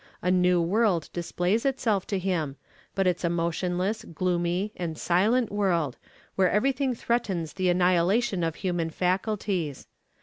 A new world displays itself to him, but it is a motionless, gloomy, and silent world, where everything threatens the annihilation of human faculties.